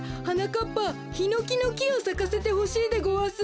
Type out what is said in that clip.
はなかっぱヒノキのきをさかせてほしいでごわす。